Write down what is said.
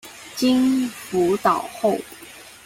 經輔導後